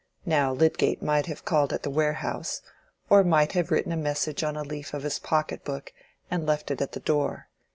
Now Lydgate might have called at the warehouse, or might have written a message on a leaf of his pocket book and left it at the door.